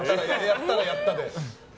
やったらやったで。